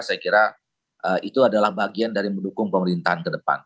saya kira itu adalah bagian dari mendukung pemerintahan ke depan